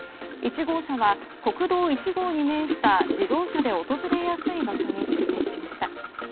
１号車は、国道１号に面した自動車で訪れやすい場所に出店しました。